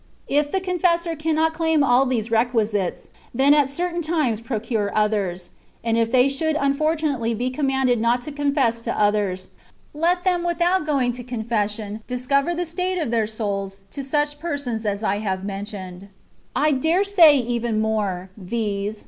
* If the confessor cannot claim aU these requisites, then at certain ' times procure others ; and if they should unfor tunately be commanded not to confess to others, let them without going to confession discover the state of their souls to such persons as I have men tioned. I dare say even more, viz.